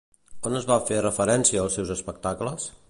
On es va fer referència als seus espectacles?